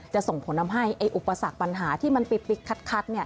ส่งผลทำให้อุปสรรคปัญหาที่มันปิ๊กคัด